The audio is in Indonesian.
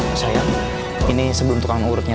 oh sayang ini sebelum tukang urutnya